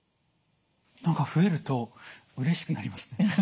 何か増えるとうれしくなりますね。